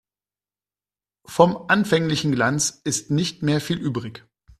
Vom anfänglichen Glanz ist nicht mehr viel übrig.